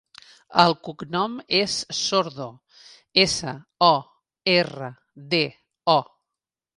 El cognom és Sordo: essa, o, erra, de, o.